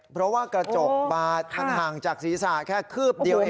เพราะว่ากระจกบาดมันห่างจากศีรษะแค่คืบเดียวเอง